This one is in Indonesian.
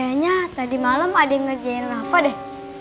mi kayaknya tadi malam ada yang ngerjain rafa deh